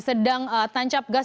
sedang tancap gas